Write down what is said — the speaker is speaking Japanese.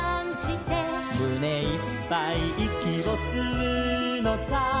「むねいっぱいいきをすうのさ」